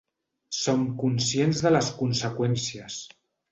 Som conscients de les conseqüències.